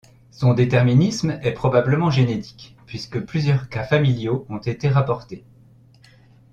Son déterminisme est probablement génétique puisque plusieurs cas familiaux ont été rapportés.